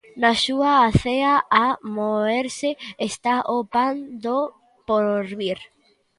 Na súa acea a moerse está o pan do porvir.